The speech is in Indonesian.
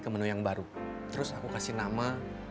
ke menu yang baru terus aku kasih nama